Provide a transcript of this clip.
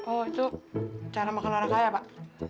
oh itu cara makan orang kaya pak